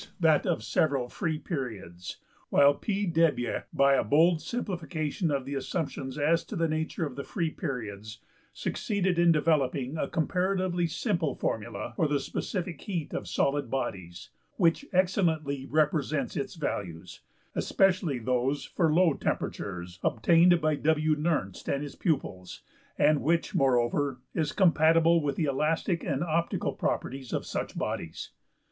that of several free periods(24); while P.~Debye, by a bold simplification of the assumptions as to the nature of the free periods, succeeded in developing a comparatively simple formula for the specific heat of solid bodies(25) which excellently represents its values, especially those for low temperatures obtained by W.~Nernst and his pupils, and which, moreover, is compatible with the elastic and optical properties of such bodies.